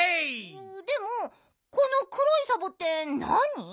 でもこのくろいサボテンなに？